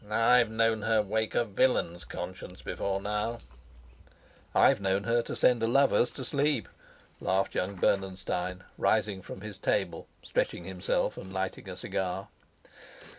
I've known her wake a villain's conscience before now." "I've known her send a lover's to sleep," laughed young Bernenstein, rising from his table, stretching himself, and lighting a cigar.